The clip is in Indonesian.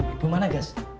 ibu mana gas